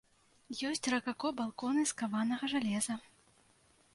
Ёсць ракако балконы з каванага жалеза.